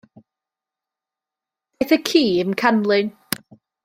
Daeth y ci i'm canlyn.